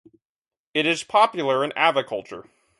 It is popular in aviculture.